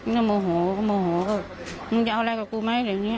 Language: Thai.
ก็โมโหก็โมโหก็มึงจะเอาอะไรกับกูไหมอะไรอย่างนี้